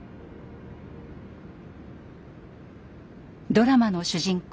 ドラマの主人公